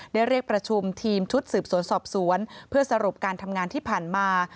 เรียกประชุมทีมชุดสืบสวนสอบสวนเพื่อสรุปการทำงานที่ผ่านมา